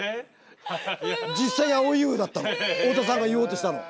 実際に蒼井優だったの太田さんが言おうとしたのは。